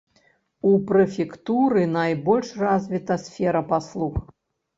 У прэфектуры найбольш развіта сфера паслуг.